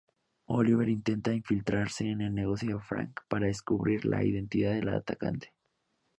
Oliver intenta infiltrarse en el negocio de Frank para descubrir la identidad del atacante.